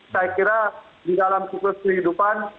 saya kira di dalam siklus kehidupan